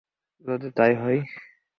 যদি তাই হয়?